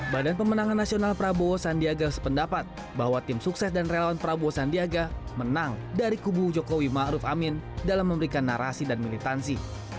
badan pemenangan nasional prabowo sandiaga sependapat bahwa tim sukses dan relawan prabowo sandiaga menang dari kubu jokowi ⁇ maruf ⁇ amin dalam memberikan narasi dan militansi